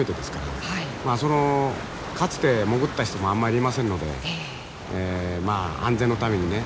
まあそのかつて潜った人もあんまりいませんのでまあ安全のためにね